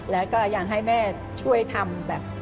แล้วก็ยังให้แม่ช่วยทำแบบ